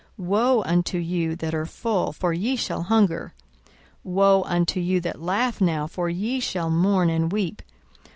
42:006:025 Woe unto you that are full! for ye shall hunger. Woe unto you that laugh now! for ye shall mourn and weep.